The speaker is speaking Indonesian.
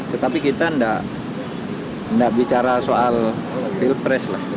tetapi kita tidak bicara soal pilpres lah